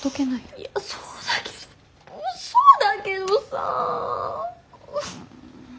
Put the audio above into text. いやそうだけどそうだけどさ。